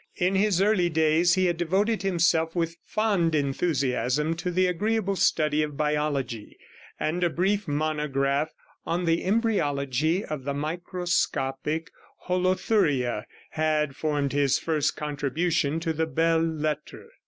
In his early days he had devoted himself with fond enthusiasm to the agreeable study of biology, and a brief monograph on the Embryology of the Microscopic Holothuria had formed his first contribution to the belles lettres.